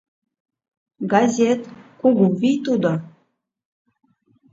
— Газет — кугу вий тудо.